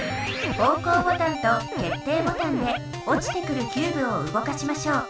方向ボタンと決定ボタンでおちてくるキューブを動かしましょう。